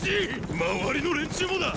⁉周りの連中もだ！